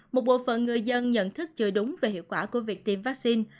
một bộ phận người dân nhận thức chưa đúng về hiệu quả của việc tiêm vaccine